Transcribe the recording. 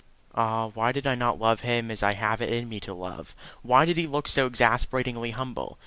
Ah, why did I not love him as I have it in me to love! Why did he look so exasperatingly humble?